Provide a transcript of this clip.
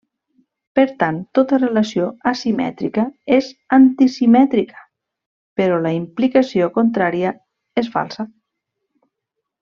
Per tant, tota relació asimètrica és antisimètrica però la implicació contrària és falsa.